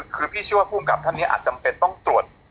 คือพี่เชื่อว่าภูมิกับท่านนี้อาจจำเป็นต้องตรวจ